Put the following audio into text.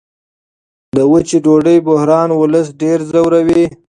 د وچې ډوډۍ بحران ولس ډېر ځوروي.